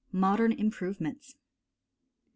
MODERN IMPROVEMENTS. No.